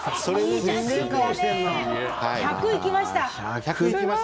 １００行きました？